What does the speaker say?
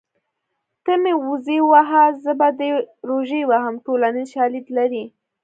ته مې وزې وهه زه به دې روژې وهم ټولنیز شالید لري